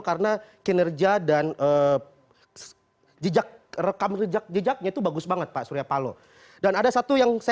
karena kinerja dan jejak rekam rejak jejaknya itu bagus banget pak suryapalo dan ada satu yang saya